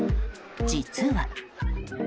実は。